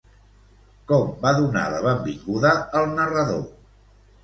Com va donar la benvinguda al narrador?